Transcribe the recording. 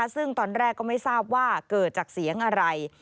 ซึ่งตอนแรกก็ไม่ทราบว่าเกิดจากเสียงอะไร